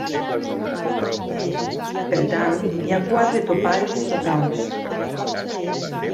Per tant, hi ha quatre topalls totals.